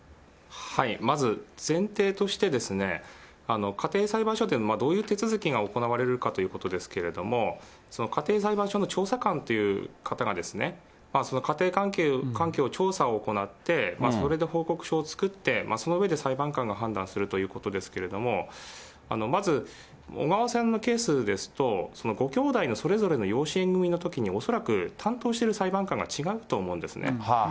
まず前提として、家庭裁判所というのは、どういう手続きが行われるかということですけれども、その家庭裁判所の調査官という方が、家庭環境の調査を行って、それで報告書を作って、その上で裁判官が判断するということですけれども、まず小川さんのケースですと、ごきょうだいのそれぞれの養子縁組のときに、恐らく担当している裁判官が違うと思うんですね。